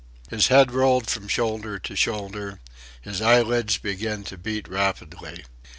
His head rolled from shoulder to shoulder. His eyelids began to beat rapidly.